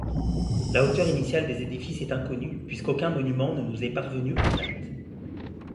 La hauteur initiale des édifices est inconnue puisqu'aucun monument ne nous est parvenu intact.